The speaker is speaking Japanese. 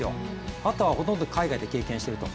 あとはほとんど海外で経験している。